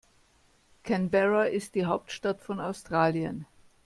Canberra ist die Hauptstadt von Australien.